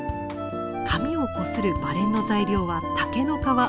紙をこするバレンの材料は竹の皮。